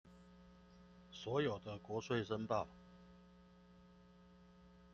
所有的國稅申報